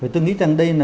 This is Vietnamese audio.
tôi nghĩ rằng đây là